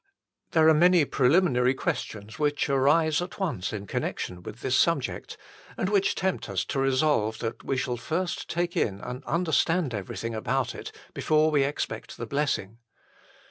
There are many preliminary questions which arise at once in connection with this subject, and which tempt us to resolve that we shall first take in and understand everything about 140 THE FULL BLESSING OF PENTECOST it before we expect the blessing.